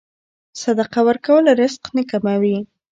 صدقه ورکول رزق نه کموي.